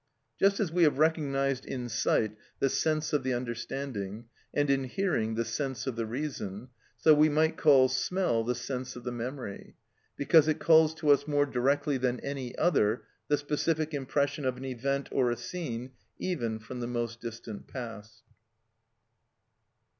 Just as we have recognised in sight the sense of the understanding, and in hearing the sense of the reason, so we might call smell the sense of the memory, because it recalls to us more directly than any other the specific impression of an event or a scene even from the most distant past.